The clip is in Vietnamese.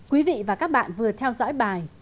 quý vị và các bạn vừa theo dõi bài